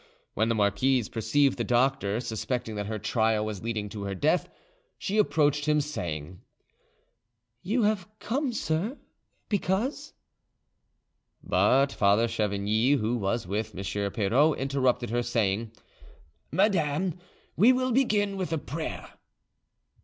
When the marquise perceived the doctor, suspecting that her trial was leading her to death, she approached him, saying: "You have come, sir, because——" But Father Chavigny, who was with M. Pirot; interrupted her, saying: "Madame, we will begin with a prayer."